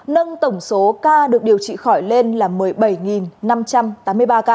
nâng tổng số ca được điều trị khỏi lên là một mươi bảy năm trăm tám mươi ba ca